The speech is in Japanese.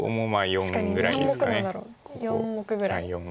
４ぐらい。